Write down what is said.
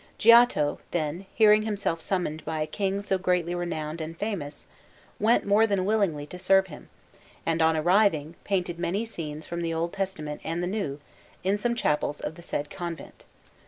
Giotto, then, hearing himself summoned by a King so greatly renowned and famous, went more than willingly to serve him, and, on arriving, painted many scenes from the Old Testament and the New in some chapels of the said convent.